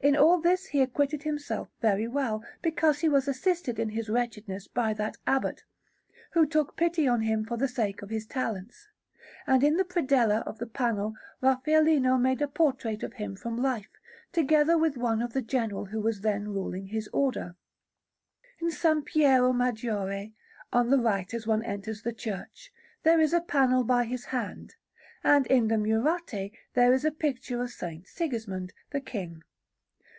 In all this he acquitted himself very well, because he was assisted in his wretchedness by that Abbot, who took pity on him for the sake of his talents; and in the predella of the panel Raffaellino made a portrait of him from life, together with one of the General who was then ruling his Order. In S. Piero Maggiore, on the right as one enters the church, there is a panel by his hand, and in the Murate there is a picture of S. Sigismund, the King.